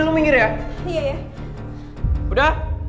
tuan kenapa ya